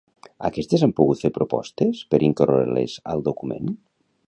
Aquestes han pogut fer propostes per incloure-les al document?